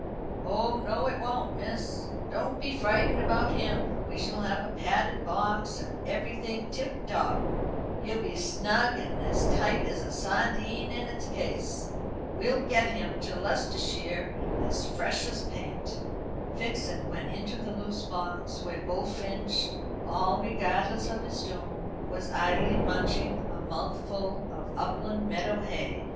"Oh no it won't, miss. Don't be frightened about him. We shall have a padded box, and everything tip top. He'll be as snug and as tight as a sardine in its case. We'll get him to Leicestershire as fresh as paint." Vixen went into the loose box, where Bullfinch, all regardless of his doom, was idly munching a mouthful of upland meadow hay.